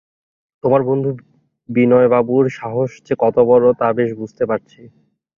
তোমার বন্ধু বিনয়বাবুর সাহস যে কত বড়ো তা বেশ বুঝতে পারছি।